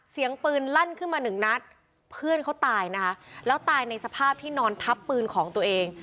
เสียงปืนลั่นขึ้นมาหนึ่งนัดเพื่อนเขาตายนะคะแล้วตายในสภาพที่นอนทับปืนของตัวเอง